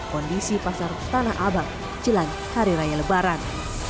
kondisi pasar tanah abang jelang hari raya lebaran